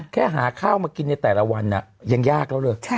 แค่หาข้าวมากินในแต่ละวันยังยากแล้วเลย